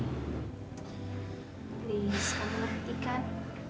please kamu ngerti kan